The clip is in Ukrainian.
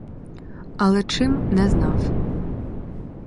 Але чим, не знав.